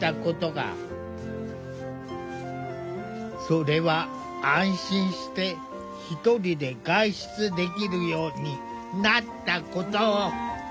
それは安心して一人で外出できるようになったこと。